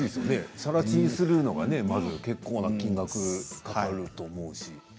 さら地にするのにまず結構金額がかかると思うし。